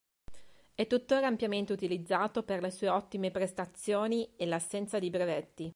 È tuttora ampiamente utilizzato per le sue ottime prestazioni e l'assenza di brevetti.